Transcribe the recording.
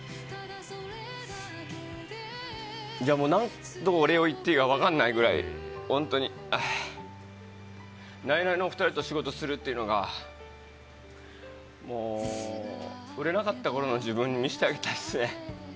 いやもう、なんとお礼を言っていいか分かんないぐらい、本当にナイナイのお２人と仕事するっていうのが、もう売れなかったころの自分見してあげたいですね。